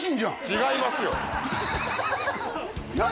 違いますよ何！？